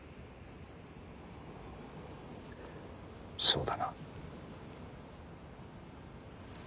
そうだな。